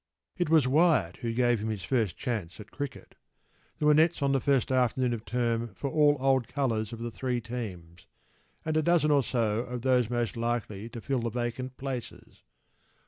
p> It was Wyatt who gave him his first chance at cricket.  There were nets on the first afternoon of term for all old colours of the three teams and a dozen or so of those most likely to fill the vacant places.